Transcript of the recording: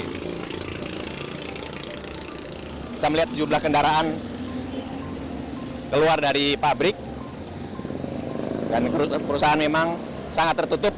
kita melihat sejumlah kendaraan keluar dari pabrik dan perusahaan memang sangat tertutup